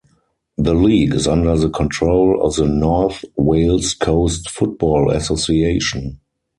The league is under the control of the North Wales Coast Football Association.